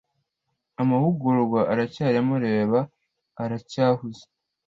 Amahugurwa aracyarimo reba aracyahuze